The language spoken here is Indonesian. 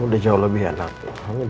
udah jauh lebih enak